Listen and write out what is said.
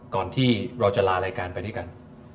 ก่อนที่เราจะลารายการไปด้วยกัน